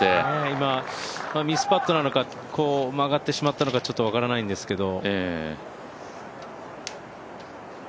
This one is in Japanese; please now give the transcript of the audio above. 今、ミスパットなのか、曲がってしまったのかちょっと分からないんですけど。